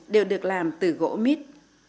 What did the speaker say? đều được làm từ gỗ mít